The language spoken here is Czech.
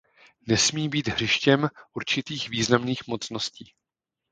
Nesmí být hřištěm určitých významných mocností.